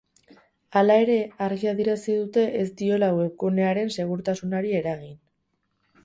Hala ere, argi adierazi dute ez diola webgunearen segurtasunari eragin.